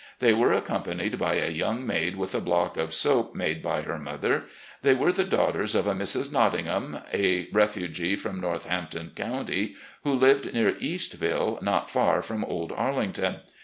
They were accompanied by a young maid with a block of soap made by her mother. They were the daughters of a Mrs. Nottingham, a refugee from Northampton County, who lived near Eastville, not far from 'old Arlington.